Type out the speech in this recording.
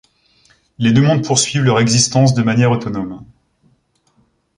Les deux monde poursuivent leur existence de manière autonome.